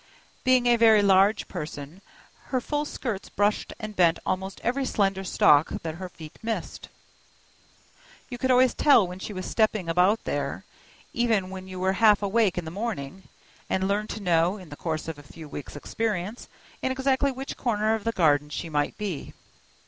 Being a very large person, her full skirts brushed and bent almost every slender stalk that her feet missed. You could always tell when she was stepping about there, even when you were half awake in the morning, and learned to know, in the course of a few weeks' experience, in exactly which corner of the garden she might be.